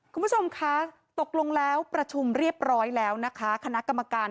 คุณผู้ชมคะตกลงแล้วประชุมเรียบร้อยแล้วนะคะคณะกรรมการ